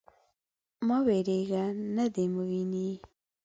_مه وېرېږه. نه دې ويني.